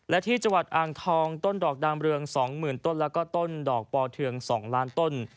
และที่จังหวัดอ่างทองต้นดอกดามเรือง๒๐๐๐ต้นแล้วก็ต้นดอกปอเทือง๒ล้านต้น